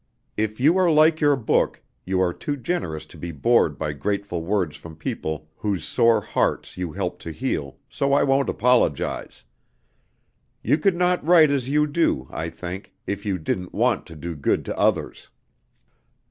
If you are like your book, you are too generous to be bored by grateful words from people whose sore hearts you helped to heal, so I won't apologize. You could not write as you do, I think, if you didn't want to do good to others.